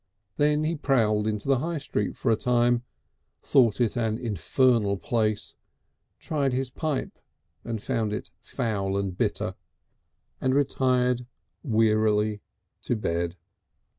Then he prowled into the High Street for a time, thought it an infernal place, tried his pipe and found it foul and bitter, and retired wearily to bed.